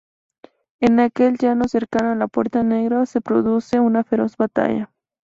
En aquel llano cercano a la Puerta Negra se produce una feroz batalla.